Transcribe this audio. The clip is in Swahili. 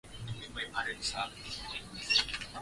Mafuta ya nyama hutumika katika kupika uji mahindi na maharage